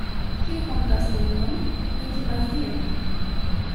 Kiu hontas nenion, ne timas Dion.